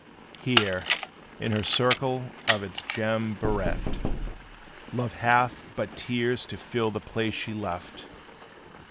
Here, in her circle of its gem bereft, Love hath but tears to fill the place she left.